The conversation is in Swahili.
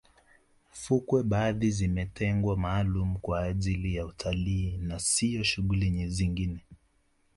fukwe baadhi zimetengwa maalumu kwa ajili ya utalii na siyo shughuli zingine